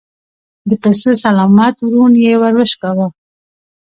د پسه سلامت ورون يې ور وشکاوه.